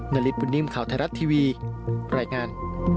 ณฤทธิ์พุทธนิ่มข่าวไทยรัฐทีวีรายงาน